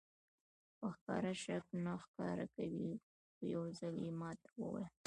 په ښکاره شک نه ښکاره کوي خو یو ځل یې ماته وویل.